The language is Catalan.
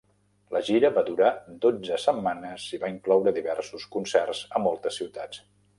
La gira va durar dotze setmanes i va incloure diversos concerts a moltes ciutats.